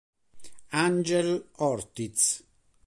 Ángel Ortiz